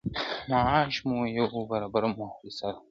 معاش مو یو برابره مو حِصه ده,